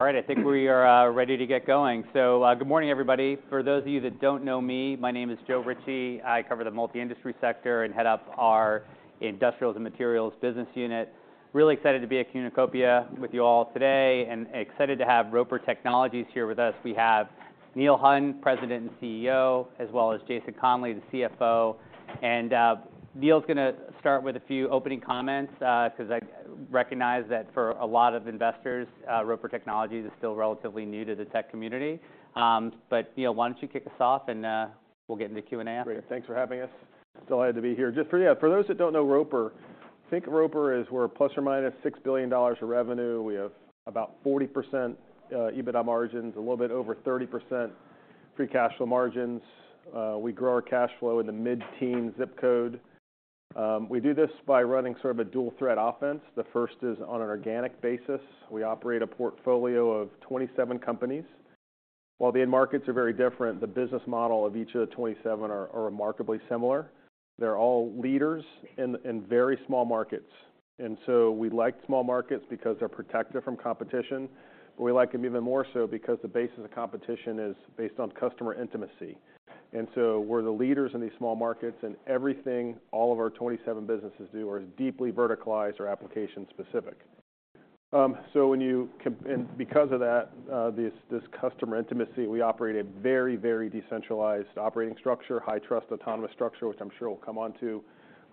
All right, I think we are ready to get going. So, good morning, everybody. For those of you that don't know me, my name is Joe Ritchie. I cover the multi-industry sector and head up our industrials and materials business unit. Really excited to be at Communacopia with you all today, and excited to have Roper Technologies here with us. We have Neil Hunn, President and CEO, as well as Jason Conley, the CFO. And, Neil's gonna start with a few opening comments, 'cause I recognize that for a lot of investors, Roper Technologies is still relatively new to the tech community. But, Neil, why don't you kick us off, and, we'll get into Q&A after? Great. Thanks for having us. Delighted to be here. Just for, yeah, for those that don't know Roper, think of Roper as we're ±$6 billion of revenue. We have about 40% EBITDA margins, a little bit over 30% free cash flow margins. We grow our cash flow in the mid-teen zip code. We do this by running sort of a dual-threat offense. The first is on an organic basis. We operate a portfolio of 27 companies. While the end markets are very different, the business model of each of the 27 are remarkably similar. They're all leaders in very small markets. And so we like small markets because they're protected from competition. We like them even more so because the basis of competition is based on customer intimacy. And so we're the leaders in these small markets, and everything all of our 27 businesses do are deeply verticalized or application specific. And because of that, this customer intimacy, we operate a very, very decentralized operating structure, high-trust, autonomous structure, which I'm sure we'll come on to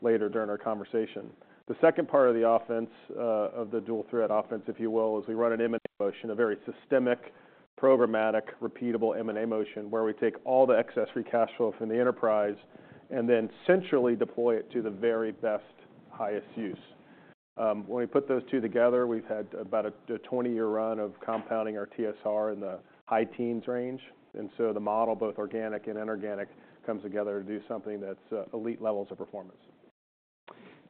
later during our conversation. The second part of the offense, of the dual-threat offense, if you will, is we run an M&A motion, a very systemic, programmatic, repeatable M&A motion, where we take all the excess free cash flow from the enterprise and then centrally deploy it to the very best, highest use. When we put those two together, we've had about a 20-year run of compounding our TSR in the high teens range, and so the model, both organic and inorganic, comes together to do something that's elite levels of performance.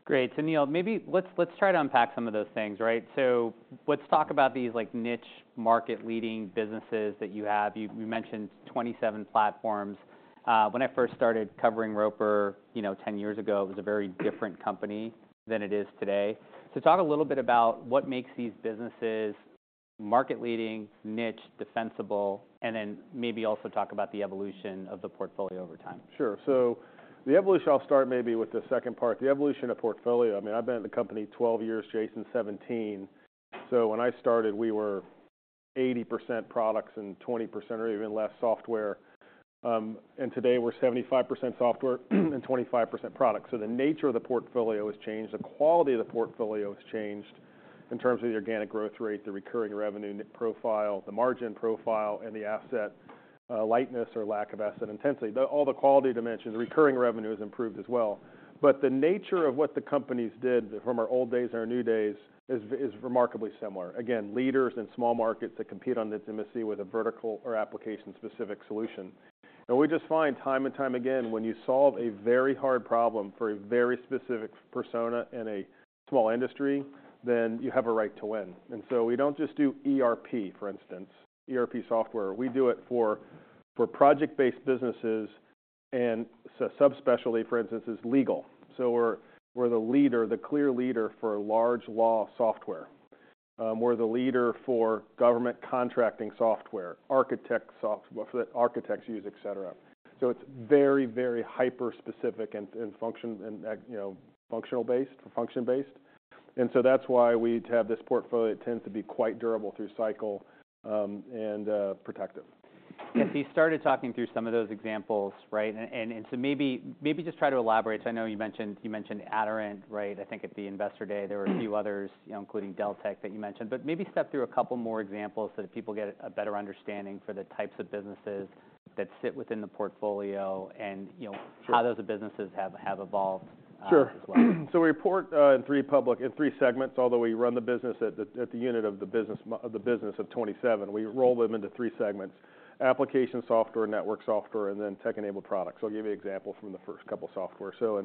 Great. So, Neil, maybe let's try to unpack some of those things, right? So let's talk about these, like, niche market-leading businesses that you have. You mentioned 27 platforms. When I first started covering Roper, you know, 10 years ago, it was a very different company than it is today. So talk a little bit about what makes these businesses market-leading, niche, defensible, and then maybe also talk about the evolution of the portfolio over time. Sure. So the evolution, I'll start maybe with the second part, the evolution of portfolio. I mean, I've been at the company 12 years, Jason, 17. So when I started, we were 80% products and 20% or even less software. And today, we're 75% software and 25% product. So the nature of the portfolio has changed. The quality of the portfolio has changed in terms of the organic growth rate, the recurring revenue net profile, the margin profile, and the asset lightness or lack of asset intensity. All the quality dimensions, the recurring revenue has improved as well. But the nature of what the companies did from our old days and our new days is remarkably similar. Again, leaders in small markets that compete on intimacy with a vertical or application-specific solution. And we just find time and time again, when you solve a very hard problem for a very specific persona in a small industry, then you have a right to win. And so we don't just do ERP, for instance, ERP software, we do it for project-based businesses, and so subspecialty, for instance, is legal. So we're the leader, the clear leader for large law software. We're the leader for government contracting software, architect software, what architects use, et cetera. So it's very, very hyper-specific and functional-based, function-based. And so that's why we have this portfolio that tends to be quite durable through cycle, protective. Yes, you started talking through some of those examples, right? And so maybe just try to elaborate. I know you mentioned Aderant, right? I think at the Investor Day, there were a few others, you know, including Deltek, that you mentioned. But maybe step through a couple more examples so that people get a better understanding for the types of businesses that sit within the portfolio and, you know- Sure... how those businesses have evolved, as well. Sure. So we report in three segments. Although we run the business at the unit of the business of 27, we roll them into three segments: application software, network software, and then tech-enabled products. So I'll give you an example from the first couple of software. So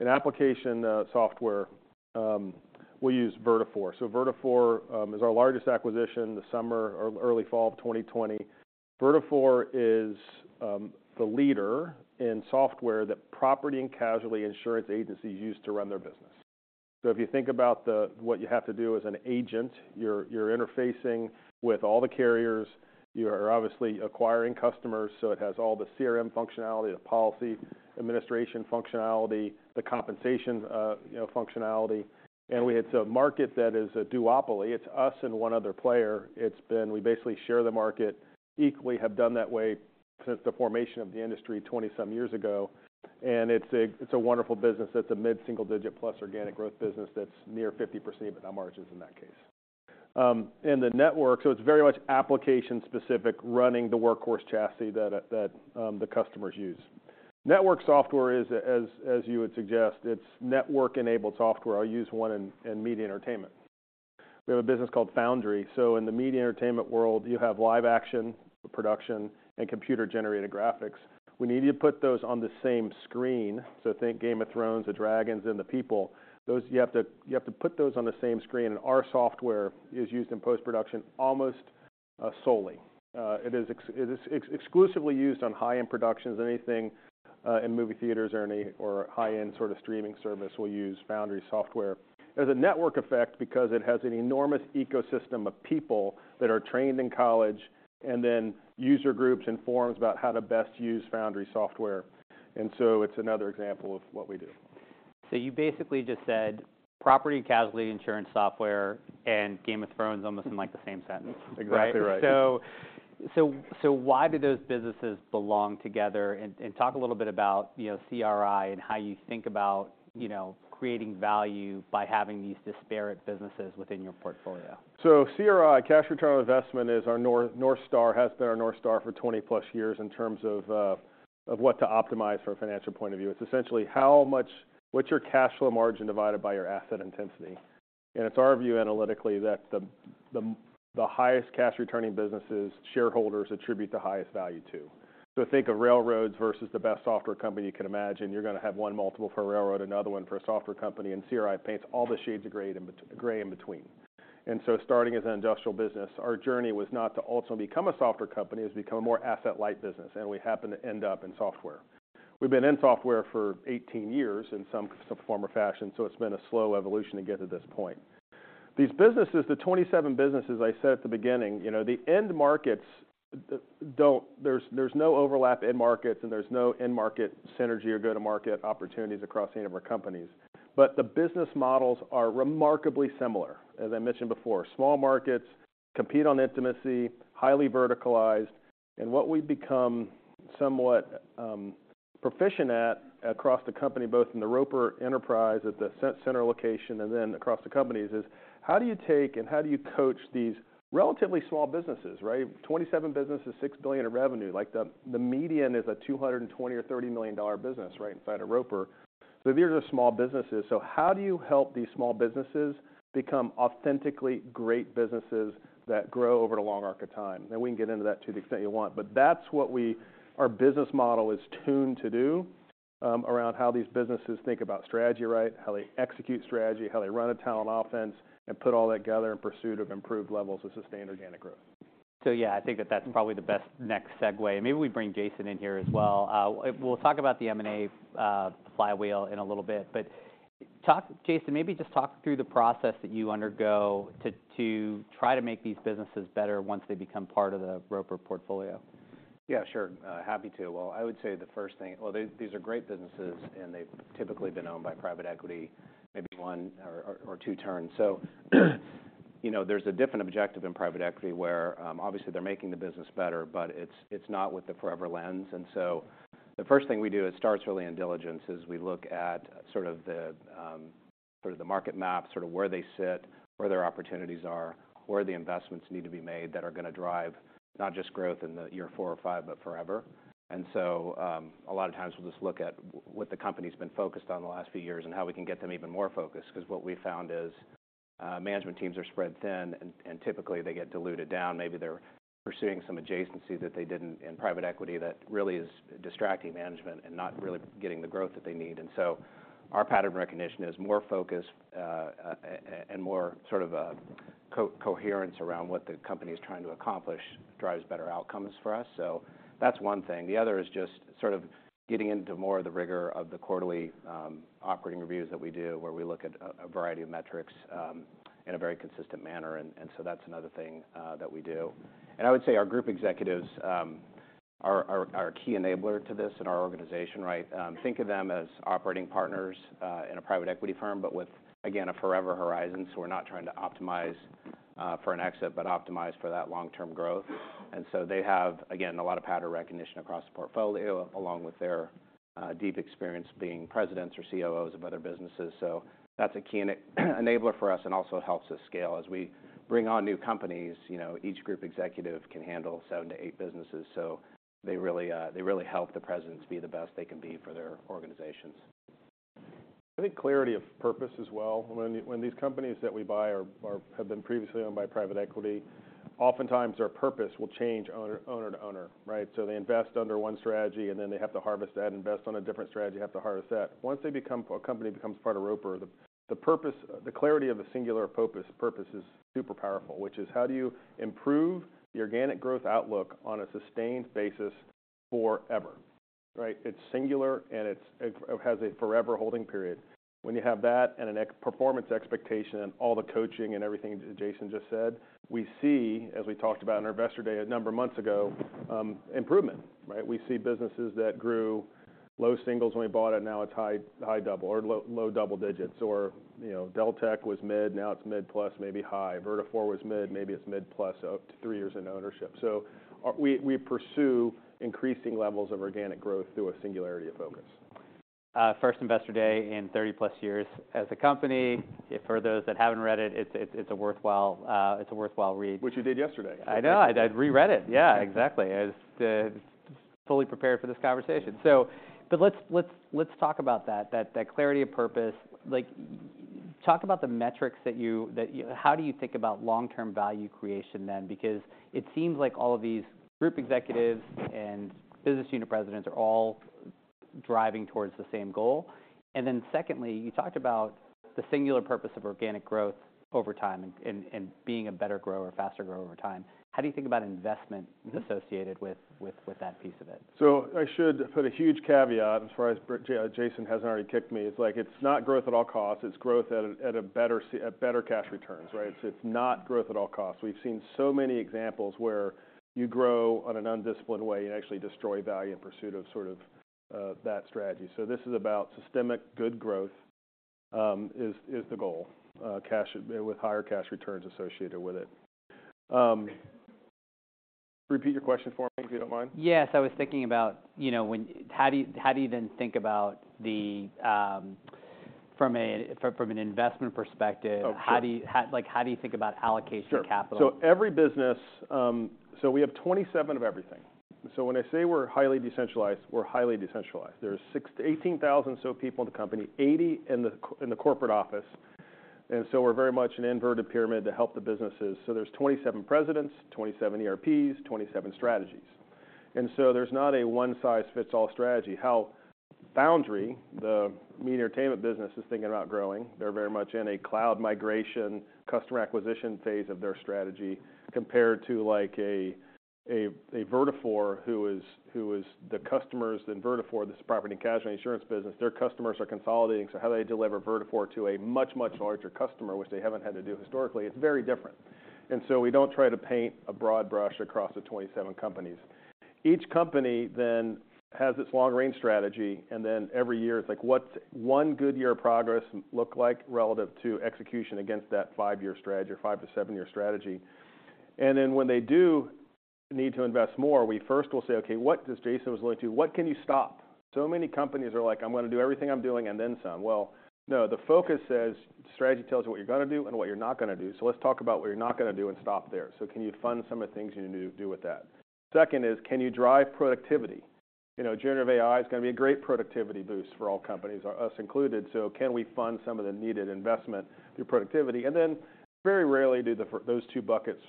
in application software, we use Vertafore. So Vertafore is our largest acquisition in the summer or early fall of 2020. Vertafore is the leader in software that property and casualty insurance agencies use to run their business. So if you think about what you have to do as an agent, you're interfacing with all the carriers. You are obviously acquiring customers, so it has all the CRM functionality, the policy administration functionality, the compensation, you know, functionality. And we had a market that is a duopoly. It's us and one other player. It's been. We basically share the market equally, have done that way since the formation of the industry 20-some years ago, and it's a wonderful business. That's a mid-single-digit+ organic growth business that's near 50% EBITDA margins in that case. And the network, so it's very much application-specific, running the workhorse chassis that the customers use. Network software is, as you would suggest, it's network-enabled software. I'll use one in media and entertainment. We have a business called Foundry. So in the media entertainment world, you have live-action production and computer-generated graphics. We need to put those on the same screen, so think Game of Thrones, the dragons, and the people. Those, you have to, you have to put those on the same screen, and our software is used in post-production almost solely. It is exclusively used on high-end productions, anything in movie theaters or any high-end sort of streaming service will use Foundry software. There's a network effect because it has an enormous ecosystem of people that are trained in college, and then user groups and forums about how to best use Foundry software. And so it's another example of what we do. So you basically just said property and casualty insurance software and Game of Thrones almost in like the same sentence, right? Exactly right. So why do those businesses belong together? And talk a little bit about, you know, CRI and how you think about, you know, creating value by having these disparate businesses within your portfolio. So CRI, cash return on investment, is our North, North Star, has been our North Star for 20+ years in terms of of what to optimize for a financial point of view. It's essentially what's your cash flow margin divided by your asset intensity? And it's our view, analytically, that the highest cash returning businesses, shareholders attribute the highest value to. So think of railroads versus the best software company you can imagine. You're gonna have one multiple for a railroad, another one for a software company, and CRI paints all the shades of gray in between. And so, starting as an industrial business, our journey was not to also become a software company, it was become a more asset-light business, and we happened to end up in software. We've been in software for 18 years in some form or fashion, so it's been a slow evolution to get to this point. These businesses, the 27 businesses I said at the beginning, you know, the end markets don't. There's no overlap end markets, and there's no end market synergy or go-to-market opportunities across any of our companies. But the business models are remarkably similar. As I mentioned before, small markets compete on intimacy, highly verticalized. And what we've become somewhat proficient at across the company, both in the Roper enterprise, at the center location, and then across the companies, is: how do you take and how do you coach these relatively small businesses, right? Twenty-seven businesses, $6 billion in revenue, like, the median is a $220 million or $230 million business right inside of Roper. These are just small businesses. How do you help these small businesses become authentically great businesses that grow over a long arc of time? We can get into that to the extent you want. But that's what we... Our business model is tuned to do, around how these businesses think about strategy, right? How they execute strategy, how they run a talent offense, and put all that together in pursuit of improved levels of sustained organic growth. So yeah, I think that that's probably the best next segue. Maybe we bring Jason in here as well. We'll talk about the M&A flywheel in a little bit. But talk, Jason, maybe just talk through the process that you undergo to try to make these businesses better once they become part of the Roper portfolio. Yeah, sure. Happy to. Well, I would say the first thing. Well, these are great businesses, and they've typically been owned by private equity, maybe one or two turns. So, you know, there's a different objective in private equity, where obviously they're making the business better, but it's not with the forever lens. And so the first thing we do, it starts really in diligence, is we look at sort of the market map, sort of where they sit, where their opportunities are, where the investments need to be made that are gonna drive not just growth in the year four or five, but forever. And so, a lot of times, we'll just look at what the company's been focused on the last few years and how we can get them even more focused. 'Cause what we found is, management teams are spread thin, and typically they get diluted down. Maybe they're pursuing some adjacency that they did in private equity that really is distracting management and not really getting the growth that they need. And so our pattern recognition is more focused, and more sort of coherence around what the company is trying to accomplish, drives better outcomes for us. So that's one thing. The other is just sort of getting into more of the rigor of the quarterly operating reviews that we do, where we look at a variety of metrics in a very consistent manner, and so that's another thing that we do. And I would say our group executives are a key enabler to this in our organization, right? Think of them as operating partners in a private equity firm, but with, again, a forever horizon. So we're not trying to optimize for an exit, but optimize for that long-term growth. And so they have, again, a lot of pattern recognition across the portfolio, along with their deep experience being presidents or COOs of other businesses. So that's a key enabler for us and also helps us scale. As we bring on new companies, you know, each group executive can handle seven to eight businesses, so they really, they really help the presidents be the best they can be for their organizations. I think clarity of purpose as well. When these companies that we buy are have been previously owned by private equity, oftentimes their purpose will change owner to owner, right? So they invest under one strategy, and then they have to harvest that, invest on a different strategy, have to harvest that. Once a company becomes part of Roper, the purpose, the clarity of the singular purpose is super powerful, which is: how do you improve the organic growth outlook on a sustained basis forever, right? It's singular, and it has a forever holding period. When you have that and a performance expectation and all the coaching and everything that Jason just said, we see, as we talked about in our Investor Day a number of months ago, improvement, right? We see businesses that grew low singles when we bought it, now it's high double or low double digits, or, you know, Deltek was mid, now it's mid-plus, maybe high. Vertafore was mid, maybe it's mid-plus up to three years into ownership. So we, we pursue increasing levels of organic growth through a singularity of focus. First Investor Day in 30+ years as a company. For those that haven't read it, it's a worthwhile read. Which you did yesterday. I know. I, I reread it. Yeah, exactly. I was fully prepared for this conversation. But let's, let's, let's talk about that, that, that clarity of purpose. Like, talk about the metrics that you, that you... How do you think about long-term value creation then? Because it seems like all of these group executives and business unit presidents are all driving towards the same goal? And then secondly, you talked about the singular purpose of organic growth over time and, and, and being a better grower, faster grower over time. How do you think about investment associated with, with, with that piece of it? So I should put a huge caveat as far as Jason hasn't already kicked me. It's like it's not growth at all costs, it's growth at better cash returns, right? It's not growth at all costs. We've seen so many examples where you grow in an undisciplined way and actually destroy value in pursuit of sort of that strategy. So this is about systemic good growth is the goal, cash with higher cash returns associated with it. Repeat your question for me, if you don't mind. Yes, I was thinking about, you know, when, how do you then think about the, from an investment perspective- Oh, sure... how do you, like, how do you think about allocation of capital? Sure. So every business. So we have 27 of everything. So when I say we're highly decentralized, we're highly decentralized. There's 6,000-18,000 people in the company, 80 in the corporate office, and so we're very much an inverted pyramid to help the businesses. So there's 27 presidents, 27 ERPs, 27 strategies. And so there's not a one-size-fits-all strategy. How Foundry, the media entertainment business, is thinking about growing, they're very much in a cloud migration, customer acquisition phase of their strategy, compared to, like, a Vertafore, who is the customers in Vertafore. This is property and casualty insurance business. Their customers are consolidating, so how do they deliver Vertafore to a much, much larger customer, which they haven't had to do historically? It's very different. And so we don't try to paint a broad brush across the 27 companies. Each company then has its long-range strategy, and then every year, it's like, what's one good year of progress look like relative to execution against that five-year strategy or five-to-seven-year strategy? And then, when they do need to invest more, we first will say, "Okay, what..." As Jason was alluding to, "What can you stop?" So many companies are like: I'm gonna do everything I'm doing, and then some. Well, no, the focus says strategy tells you what you're gonna do and what you're not gonna do, so let's talk about what you're not gonna do and stop there. So can you fund some of the things you need to do with that? Second is, can you drive productivity? You know, generative AI is gonna be a great productivity boost for all companies, us included. So can we fund some of the needed investment through productivity? And then, very rarely do those two buckets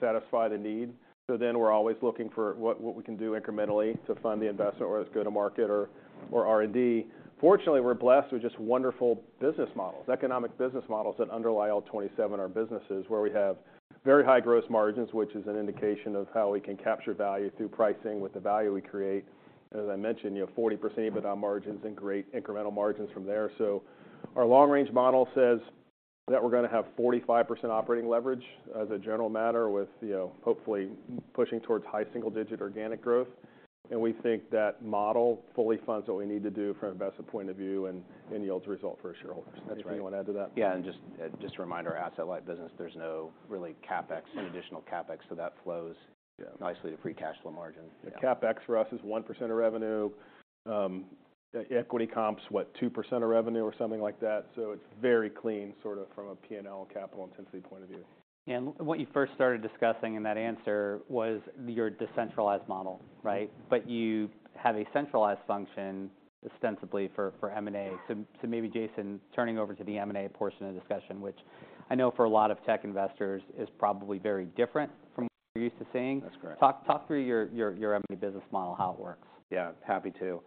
satisfy the need, so then we're always looking for what we can do incrementally to fund the investment, or go to market, or R&D. Fortunately, we're blessed with just wonderful business models, economic business models that underlie all 27 of our businesses, where we have very high gross margins, which is an indication of how we can capture value through pricing with the value we create. As I mentioned, you know, 40% EBITDA margins and great incremental margins from there. So our long-range model says that we're gonna have 45% operating leverage as a general matter with, you know, hopefully pushing towards high single-digit organic growth. We think that model fully funds what we need to do from an investment point of view and yields results for our shareholders. That's right. Anything you wanna add to that? Yeah, and just, just a reminder, our asset-light business. There's no really CapEx, any additional CapEx, so that flows- Yeah... nicely to free cash flow margin. The CapEx for us is 1% of revenue. Equity comps, what, 2% of revenue or something like that. So it's very clean, sort of from a P&L capital intensity point of view. What you first started discussing in that answer was your decentralized model, right? But you have a centralized function, ostensibly for M&A. So maybe Jason, turning over to the M&A portion of the discussion, which I know for a lot of tech investors, is probably very different from what you're used to seeing. That's correct. Talk through your M&A business model, how it works. Yeah, happy to.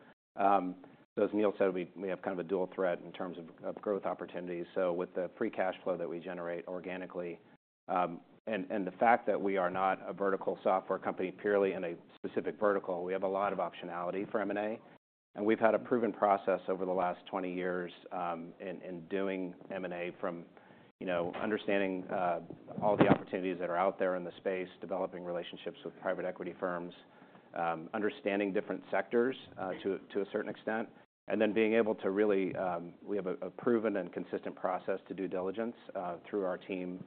So as Neil said, we have kind of a dual threat in terms of growth opportunities. So with the free cash flow that we generate organically, and the fact that we are not a vertical software company purely in a specific vertical, we have a lot of optionality for M&A, and we've had a proven process over the last 20 years in doing M&A from, you know, understanding all the opportunities that are out there in the space, developing relationships with private equity firms, understanding different sectors to a certain extent, and then being able to really... We have a proven and consistent process to due diligence through our team.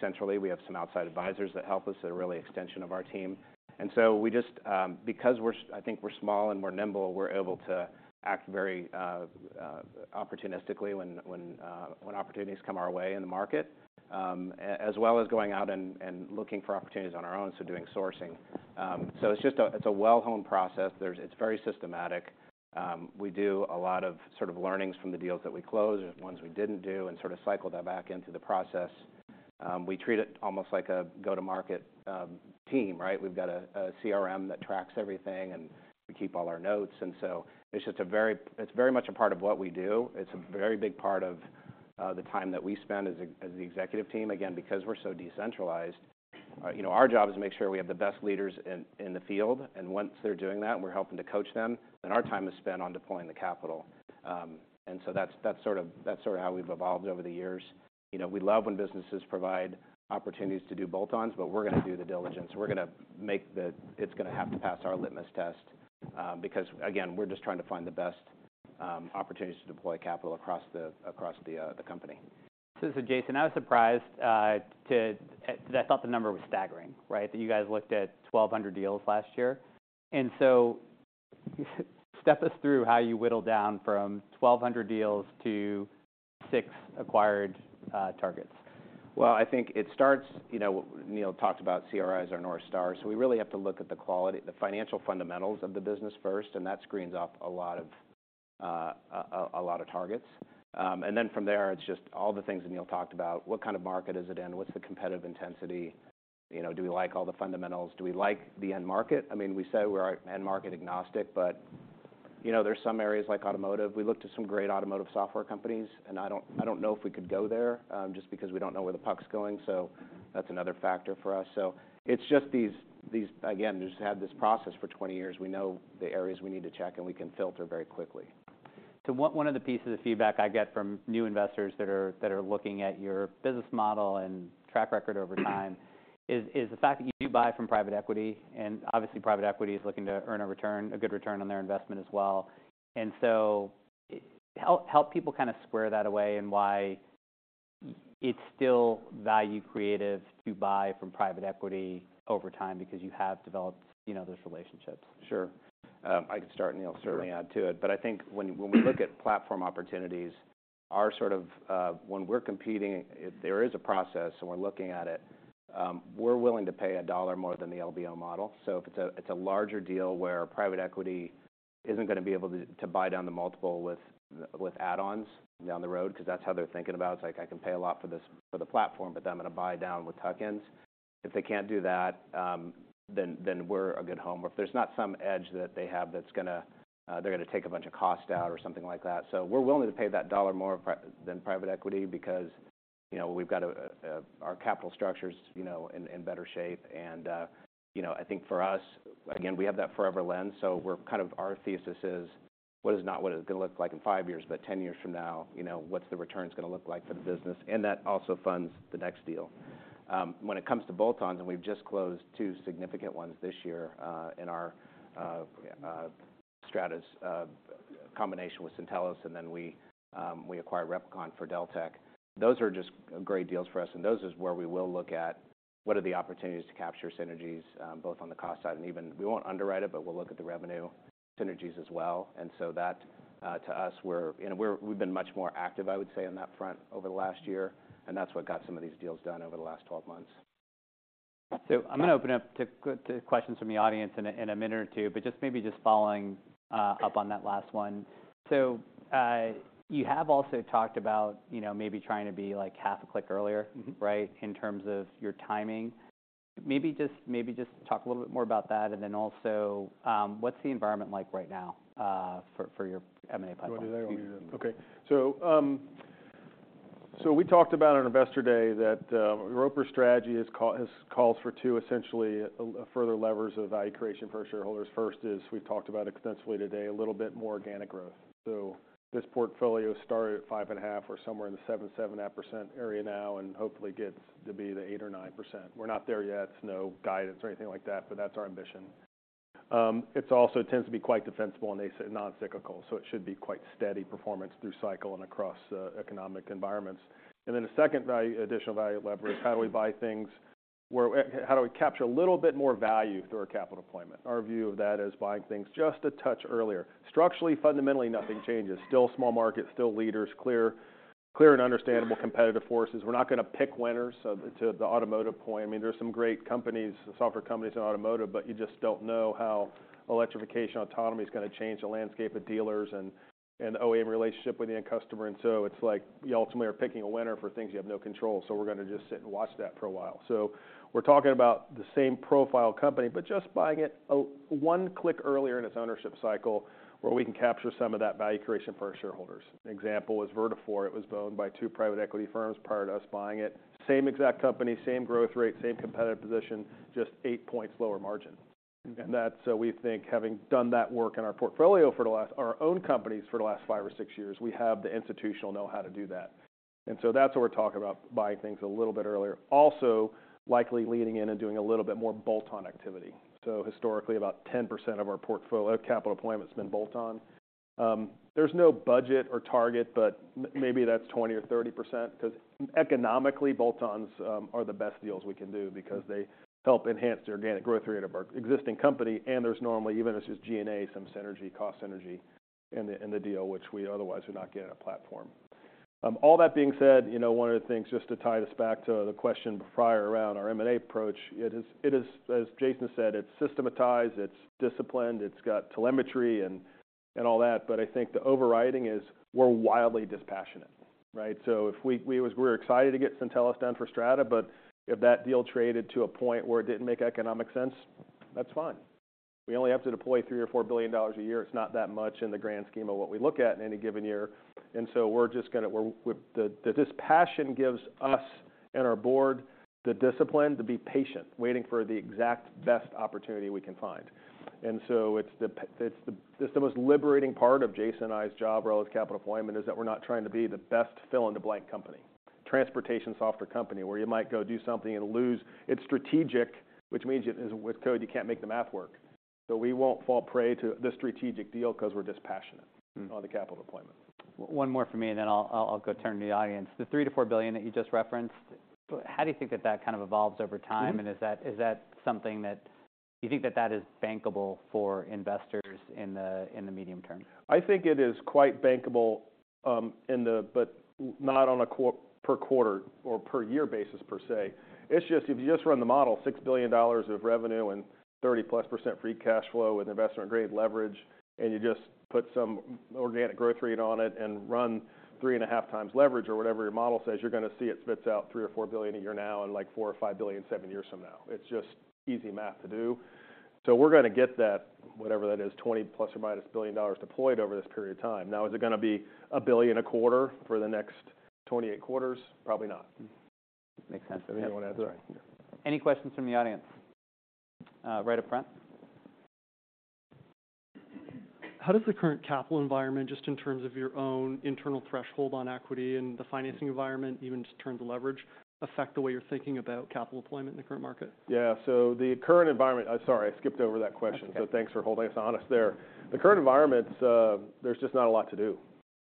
Centrally, we have some outside advisors that help us. They're really an extension of our team. And so we just... Because we're, I think we're small and we're nimble, we're able to act very opportunistically when opportunities come our way in the market, as well as going out and looking for opportunities on our own, so doing sourcing. So it's just, it's a well-honed process. It's very systematic. We do a lot of sort of learnings from the deals that we close, ones we didn't do, and sort of cycle that back into the process. We treat it almost like a go-to-market team, right? We've got a CRM that tracks everything, and we keep all our notes. So it's just a very—it's very much a part of what we do. It's a very big part of the time that we spend as the executive team. Again, because we're so decentralized, you know, our job is to make sure we have the best leaders in the field, and once they're doing that, we're helping to coach them, then our time is spent on deploying the capital. And so that's sort of how we've evolved over the years. You know, we love when businesses provide opportunities to do bolt-ons, but we're gonna do the diligence. We're gonna make the... It's gonna have to pass our litmus test, because, again, we're just trying to find the best opportunities to deploy capital across the company. So, Jason, I was surprised to... I thought the number was staggering, right? That you guys looked at 1,200 deals last year. And so step us through how you whittle down from 1,200 deals to six acquired targets. Well, I think it starts, you know, Neil talked about CRI as our North Star, so we really have to look at the quality, the financial fundamentals of the business first, and that screens off a lot of targets. And then from there, it's just all the things Neil talked about: What kind of market is it in? What's the competitive intensity? You know, do we like all the fundamentals? Do we like the end market? I mean, we say we're end-market agnostic, but, you know, there's some areas like automotive. We looked at some great automotive software companies, and I don't know if we could go there, just because we don't know where the puck's going, so that's another factor for us. So it's just these. Again, we've just had this process for 20 years. We know the areas we need to check, and we can filter very quickly. So one of the pieces of feedback I get from new investors that are looking at your business model and track record over time is the fact that you do buy from private equity, and obviously, private equity is looking to earn a return, a good return on their investment as well. And so, help people kind of square that away and why it's still value creative to buy from private equity over time because you have developed, you know, those relationships. Sure. I can start, and Neil can- Sure... certainly add to it. But I think when, when we look at platform opportunities, our sort of. When we're competing, if there is a process and we're looking at it, we're willing to pay a dollar more than the LBO model. So if it's a, it's a larger deal where private equity isn't gonna be able to, to buy down the multiple with, with add-ons down the road, 'cause that's how they're thinking about it. It's like, I can pay a lot for this, for the platform, but then I'm gonna buy down with tuck-ins. If they can't do that, then, then we're a good home. Or if there's not some edge that they have that's gonna. They're gonna take a bunch of cost out or something like that. So we're willing to pay that premium than private equity because, you know, we've got our capital structure's, you know, in better shape. And, you know, I think for us, again, we have that forever lens, so our thesis is not what it's gonna look like in five years, but ten years from now, you know, what's the returns gonna look like for the business? And that also funds the next deal. When it comes to bolt-ons, and we've just closed two significant ones this year, in our Strata's combination with Syntellis, and then we acquired Replicon for Deltek. Those are just great deals for us, and those is where we will look at what are the opportunities to capture synergies, both on the cost side and even... We won't underwrite it, but we'll look at the revenue synergies as well. And so that, to us, we're, and we've been much more active, I would say, on that front over the last year, and that's what got some of these deals done over the last 12 months. So I'm gonna open up to questions from the audience in a minute or two, but just maybe just following up on that last one. So, you have also talked about, you know, maybe trying to be, like, half a click earlier- Mm-hmm... right? In terms of your timing. Maybe just, maybe just talk a little bit more about that, and then also, what's the environment like right now, for your M&A pipeline? So, we talked about on Investor Day that Roper's strategy has called for two, essentially, further levers of value creation for our shareholders. First is, we've talked about extensively today, a little bit more organic growth. So this portfolio started at 5.5% or somewhere in the 7%-7.5% area now, and hopefully gets to be the 8% or 9%. We're not there yet. It's no guidance or anything like that, but that's our ambition. It's also tends to be quite defensible and non-cyclical, so it should be quite steady performance through cycle and across economic environments. And then the second value, additional value leverage, how do we buy things where, how do we capture a little bit more value through our capital deployment? Our view of that is buying things just a touch earlier. Structurally, fundamentally, nothing changes. Still small market, still leaders, clear, clear and understandable competitive forces. We're not gonna pick winners. So to the automotive point, I mean, there are some great companies, software companies in automotive, but you just don't know how electrification autonomy is gonna change the landscape of dealers and, and OEM relationship with the end customer. And so it's like, you ultimately are picking a winner for things you have no control, so we're gonna just sit and watch that for a while. So we're talking about the same profile company, but just buying it, one click earlier in its ownership cycle, where we can capture some of that value creation for our shareholders. An example is Vertafore. It was owned by two private equity firms prior to us buying it. Same exact company, same growth rate, same competitive position, just 8 points lower margin. Mm-hmm. That's, we think, having done that work in our portfolio for our own companies for the last five or six years, we have the institutional know-how to do that. So that's what we're talking about, buying things a little bit earlier. Also, likely leaning in and doing a little bit more bolt-on activity. Historically, about 10% of our portfolio capital deployment's been bolt-on. There's no budget or target, but maybe that's 20% or 30%, 'cause economically, bolt-ons are the best deals we can do because they help enhance the organic growth rate of our existing company, and there's normally, even if it's just G&A, some synergy, cost synergy in the deal, which we otherwise would not get in a platform. All that being said, you know, one of the things, just to tie this back to the question prior around our M&A approach, it is, as Jason said, it's systematized, it's disciplined, it's got telemetry and all that, but I think the overriding is we're wildly dispassionate, right? So if we were excited to get Syntellis done for Strata, but if that deal traded to a point where it didn't make economic sense, that's fine. We only have to deploy $3 billion-$4 billion a year. It's not that much in the grand scheme of what we look at in any given year. And so we're just gonna. The dispassion gives us and our board the discipline to be patient, waiting for the exact best opportunity we can find. It's the most liberating part of Jason and I's job around capital deployment, is that we're not trying to be the best fill-in-the-blank company. Transportation software company, where you might go do something and lose. It's strategic, which means it is with cold, you can't make the math work. So we won't fall prey to the strategic deal 'cause we're dispassionate- Mm-hmm... on the capital deployment. One more from me, and then I'll go turn to the audience. The $3 billion-$4 billion that you just referenced, how do you think that kind of evolves over time? Mm-hmm. Is that something that you think is bankable for investors in the medium term? I think it is quite bankable.... in the, but not on a per quarter or per year basis, per se. It's just, if you just run the model, $6 billion of revenue and 30%+ free cash flow with investment-grade leverage, and you just put some organic growth rate on it and run 3.5x leverage or whatever your model says, you're gonna see it spits out $3-$4 billion a year now and, like, $4 billion-$5 billion, seven years from now. It's just easy math to do. So we're gonna get that, whatever that is, 20± billion dollars deployed over this period of time. Now, is it gonna be a $1 billion a quarter for the next 28 quarters? Probably not. Makes sense. Anyone want to add to that? Any questions from the audience? Right up front. How does the current capital environment, just in terms of your own internal threshold on equity and the financing environment, even just in terms of leverage, affect the way you're thinking about capital deployment in the current market? Yeah, so the current environment... Sorry, I skipped over that question. Okay. So thanks for holding us honest there. The current environment, there's just not a lot to do.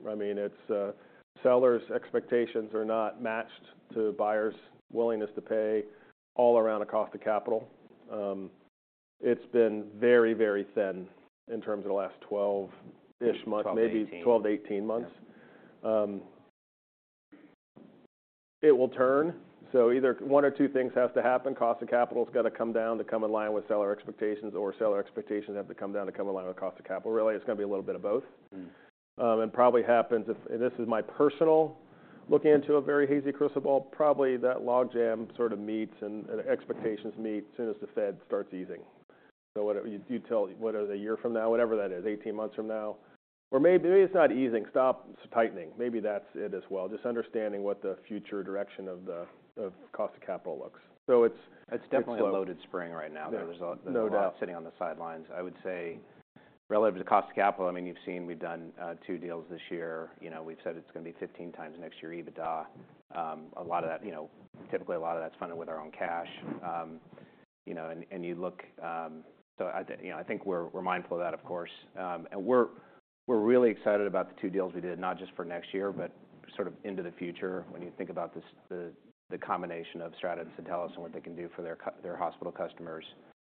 I mean, it's, sellers' expectations are not matched to buyers' willingness to pay all around the cost of capital. It's been very, very thin in terms of the last 12-ish months- Twelve, eighteen... maybe 12-18 months. It will turn, so either one or two things has to happen: cost of capital has got to come down to come in line with seller expectations, or seller expectations have to come down to come in line with cost of capital. Really, it's gonna be a little bit of both. Mm. It probably happens, and this is my personal look into a very hazy crystal ball, probably that logjam sort of meets and expectations meet as soon as the Fed starts easing. So whether a year from now, whatever that is, 18 months from now, or maybe it's not easing, stops tightening. Maybe that's it as well, just understanding what the future direction of the cost of capital looks. So it's- It's definitely a loaded spring right now. Yeah. There's a- No doubt... lot sitting on the sidelines. I would say relative to cost of capital, I mean, you've seen we've done two deals this year. You know, we've said it's gonna be 15x next year EBITDA. A lot of that, you know, typically a lot of that's funded with our own cash. You know, and, and you look... So I, you know, I think we're, we're mindful of that, of course. And we're, we're really excited about the two deals we did, not just for next year, but sort of into the future. When you think about this, the, the combination of Strata and Syntellis and what they can do for their their hospital customers,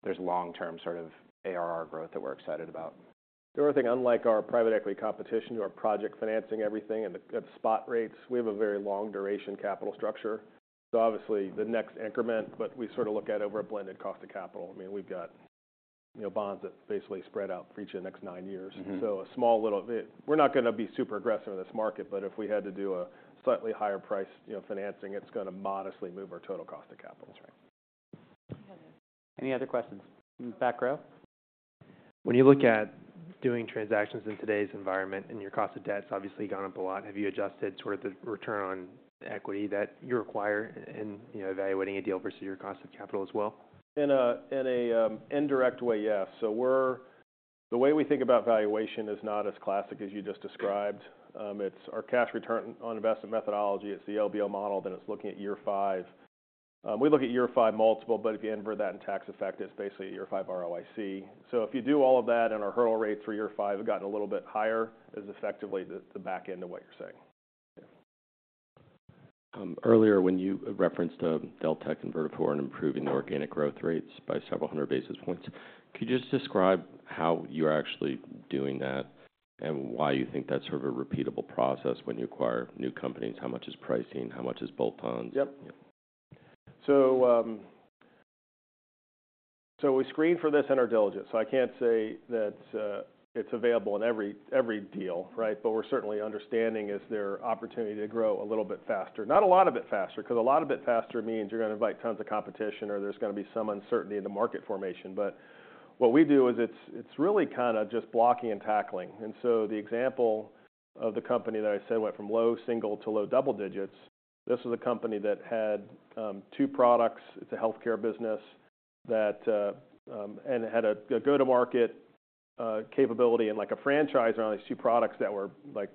there's long-term sort of ARR growth that we're excited about. The only thing, unlike our private equity competition, who are project financing everything at the spot rates, we have a very long duration capital structure. So obviously, the next increment, but we sort of look at it over a blended cost of capital. I mean, we've got, you know, bonds that basically spread out for each of the next nine years. Mm-hmm. So a small little bit. We're not gonna be super aggressive in this market, but if we had to do a slightly higher price, you know, financing, it's gonna modestly move our total cost of capital. That's right. Any other questions? Back row. When you look at doing transactions in today's environment, and your cost of debt's obviously gone up a lot, have you adjusted sort of the return on equity that you require in, you know, evaluating a deal versus your cost of capital as well? In an indirect way, yes. So we're the way we think about valuation is not as classic as you just described. It's our Cash Return on Investment methodology, it's the LBO model, then it's looking at year five. We look at year five multiple, but if you invert that in tax effect, it's basically a year five ROIC. So if you do all of that, and our hurdle rate for year five has gotten a little bit higher, is effectively the back end of what you're saying. Yeah. Earlier when you referenced Deltek and Vertafore and improving the organic growth rates by several hundred basis points, could you just describe how you're actually doing that and why you think that's sort of a repeatable process when you acquire new companies? How much is pricing, how much is bolt-ons? Yep. Yeah. So, so we screen for this in our diligence, so I can't say that, it's available in every, every deal, right? But we're certainly understanding, is there opportunity to grow a little bit faster? Not a lot of bit faster, 'cause a lot of bit faster means you're gonna invite tons of competition, or there's gonna be some uncertainty in the market formation. But what we do is it's, it's really kind of just blocking and tackling. And so the example of the company that I said went from low single to low double digits, this is a company that had, two products. It's a healthcare business that, and it had a, a go-to-market, capability and, like, a franchise around these two products that were, like,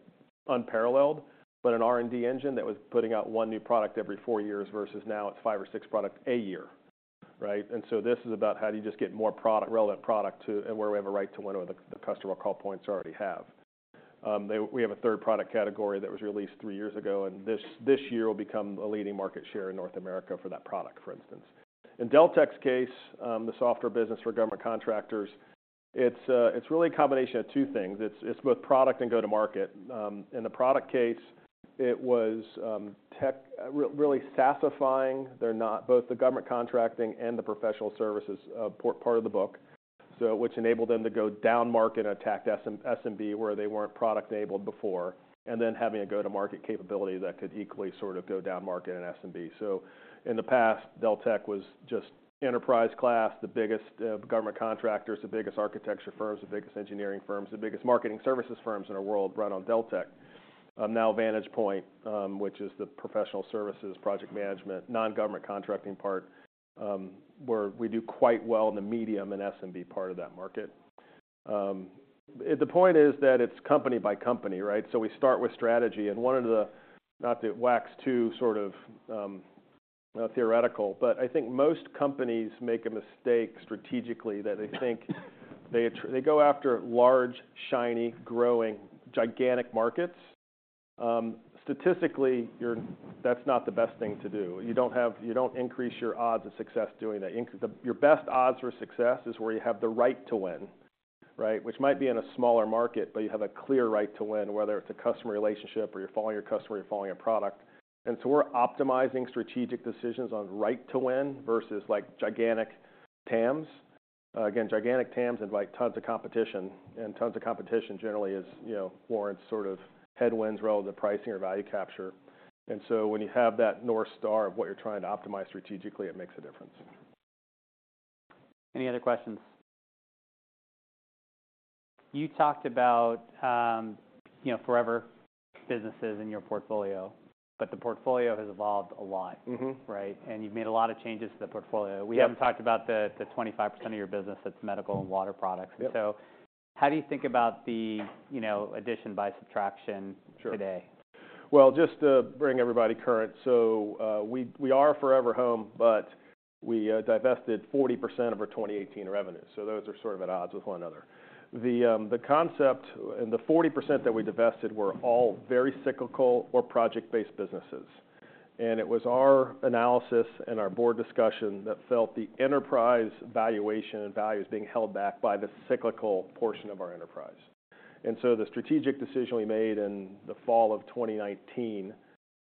unparalleled, but an R&D engine that was putting out one new product every four years, versus now it's five or six products a year, right? And so this is about how do you just get more product, relevant product to... And where we have a right to win over the, the customer call points we already have. We have a third product category that was released three years ago, and this, this year will become a leading market share in North America for that product, for instance. In Deltek's case, the software business for government contractors, it's, it's really a combination of two things: It's, it's both product and go-to-market. In the product case, it was tech, really SaaSifying. Both the government contracting and the professional services part of the book, which enabled them to go downmarket and attack SMB, where they weren't product enabled before, and then having a go-to-market capability that could equally sort of go downmarket in SMB. So in the past, Deltek was just enterprise class, the biggest government contractors, the biggest architecture firms, the biggest engineering firms, the biggest marketing services firms in our world ran on Deltek. Now Vantagepoint, which is the professional services, project management, non-government contracting part, where we do quite well in the medium and SMB part of that market. The point is that it's company by company, right? So we start with strategy, and one of the, not to wax too sort of theoretical, but I think most companies make a mistake strategically, that they think they go after large, shiny, growing, gigantic markets. Statistically, that's not the best thing to do. You don't increase your odds of success doing that. The, your best odds for success is where you have the right to win, right? Which might be in a smaller market, but you have a clear right to win, whether it's a customer relationship, or you're following your customer, you're following a product. And so we're optimizing strategic decisions on right to win versus, like, gigantic TAMs. Again, gigantic TAMs and, like, tons of competition, and tons of competition generally is, you know, warrants sort of headwinds relative to pricing or value capture. When you have that North Star of what you're trying to optimize strategically, it makes a difference. Any other questions? You talked about, you know, forever businesses in your portfolio, but the portfolio has evolved a lot. Mm-hmm. Right? And you've made a lot of changes to the portfolio. Yep. We haven't talked about the 25% of your business that's medical and water products. Yep. How do you think about the, you know, addition by subtraction- Sure -today? Well, just to bring everybody current, so, we are forever home, but we divested 40% of our 2018 revenues, so those are sort of at odds with one another. The concept... And the 40% that we divested were all very cyclical or project-based businesses, and it was our analysis and our board discussion that felt the enterprise valuation and value is being held back by the cyclical portion of our enterprise. And so the strategic decision we made in the fall of 2019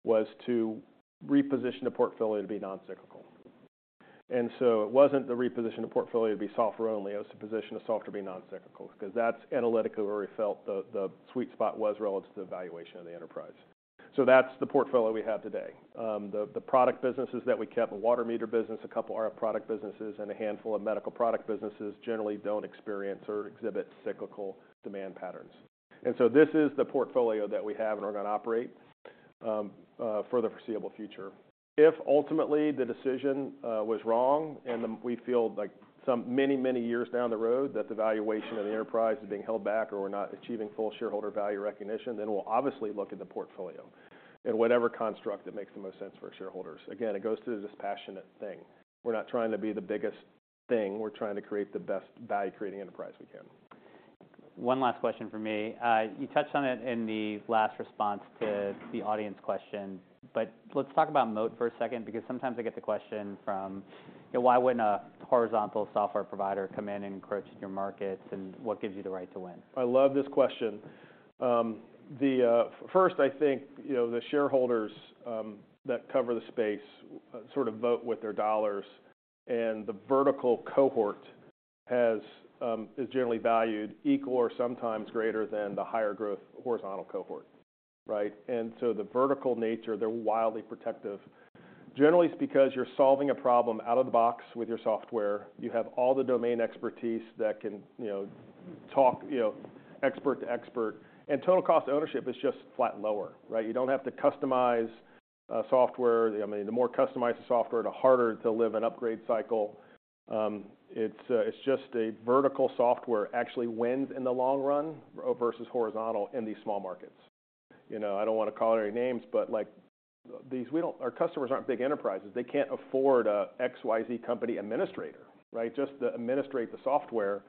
was to reposition the portfolio to be non-cyclical. And so it wasn't to reposition the portfolio to be software only, it was to position the software to be non-cyclical, 'cause that's analytically where we felt the sweet spot was relative to the valuation of the enterprise. So that's the portfolio we have today. The product businesses that we kept, the water meter business, a couple of RF product businesses, and a handful of medical product businesses generally don't experience or exhibit cyclical demand patterns. And so this is the portfolio that we have and are going to operate for the foreseeable future. If ultimately the decision was wrong, and then we feel like some many, many years down the road, that the valuation of the enterprise is being held back or we're not achieving full shareholder value recognition, then we'll obviously look at the portfolio and whatever construct that makes the most sense for our shareholders. Again, it goes to this passionate thing. We're not trying to be the biggest thing, we're trying to create the best value-creating enterprise we can. One last question from me. You touched on it in the last response to the audience question, but let's talk about moat for a second, because sometimes I get the question from: Why wouldn't a horizontal software provider come in and encroach in your markets, and what gives you the right to win? I love this question. First, I think, you know, the shareholders that cover the space sort of vote with their dollars, and the vertical cohort is generally valued equal or sometimes greater than the higher growth horizontal cohort, right? And so the vertical nature, they're wildly protective. Generally, it's because you're solving a problem out of the box with your software. You have all the domain expertise that can, you know, talk, you know, expert to expert, and total cost of ownership is just flat lower, right? You don't have to customize software. I mean, the more customized the software, the harder to live an upgrade cycle. It's just a vertical software actually wins in the long run versus horizontal in these small markets. You know, I don't want to call out any names, but, like, our customers aren't big enterprises. They can't afford a XYZ company administrator, right? Just to administrate the software,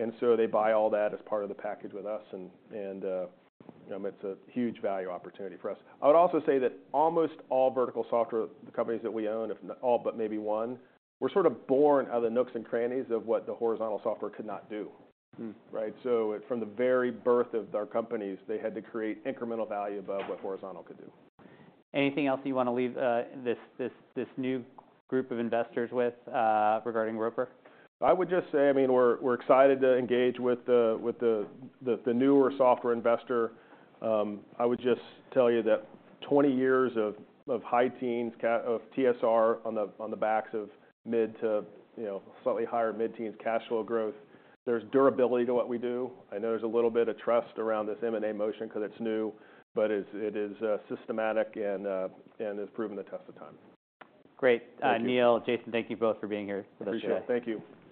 and, and, you know, it's a huge value opportunity for us. I would also say that almost all vertical software companies that we own, if all but maybe one, were sort of born out of the nooks and crannies of what the horizontal software could not do. Mm. Right? So from the very birth of our companies, they had to create incremental value above what horizontal could do. Anything else you want to leave this new group of investors with regarding Roper? I would just say, I mean, we're excited to engage with the newer software investor. I would just tell you that 20 years of high teens of TSR on the backs of mid- to slightly higher mid-teens cash flow growth, there's durability to what we do. I know there's a little bit of trust around this M&A motion because it's new, but it is systematic and has proven the test of time. Great. Thank you. Neil, Jason, thank you both for being here with us today. Appreciate it. Thank you.